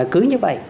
cứ như vậy